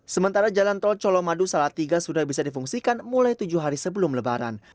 sementara jalan tol solomadu salah tiga sudah bisa difungsikan mulai tujuh hari sebelum lebaran